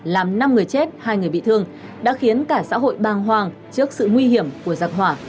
làm năm người chết hai người bị thương đã khiến cả xã hội băng hoàng trước sự nguy hiểm của giặc hỏa